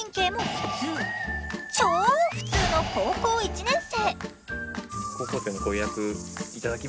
超普通の高校１年生。